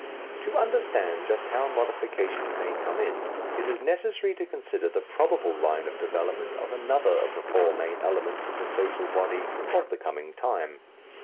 To understand just how modifications may come in, it is necessary to consider the probable line of development of another of the four main elements in the social body of the coming time.